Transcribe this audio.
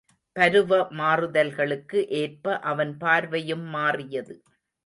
பருவ மாறுதல்களுக்கு ஏற்ப அவன் பார்வையும் மாறியது.